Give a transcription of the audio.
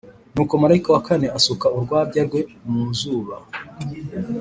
Nuko marayika wa kane asuka urwabya rwe mu zuba,